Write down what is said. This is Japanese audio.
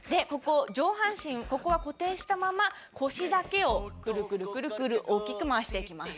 上半身は固定したまま腰だけをくるくる、大きく回していきます。